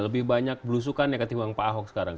lebih banyak berusukan negatif dengan pak ahok sekarang